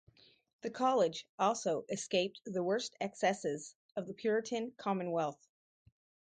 The college also escaped the worst excesses of the puritan Commonwealth.